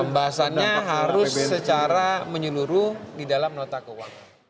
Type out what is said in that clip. pembahasannya harus secara menyeluruh di dalam nota keuangan